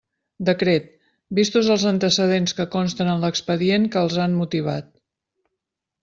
Decret: vistos els antecedents que consten en l'expedient que els han motivat.